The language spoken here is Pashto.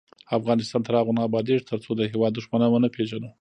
افغانستان تر هغو نه ابادیږي، ترڅو د هیواد دښمنان ونه پیژنو.